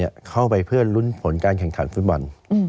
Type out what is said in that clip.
เข้าไปเพื่อลุ้นผลการแข่งขันฟุตบอล